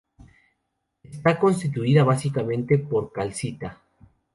Está constituida básicamente por calcita.